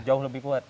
jauh lebih kuat